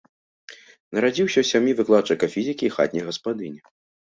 Нарадзіўся ў сям'і выкладчыка фізікі і хатняй гаспадыні.